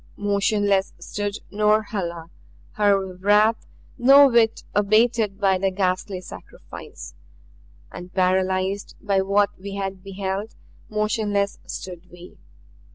Motionless stood Norhala, her wrath no whit abated by the ghastly sacrifice. And paralyzed by what we had beheld, motionless stood we.